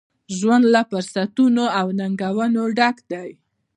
ژوند له فرصتونو ، او ننګونو ډک دی.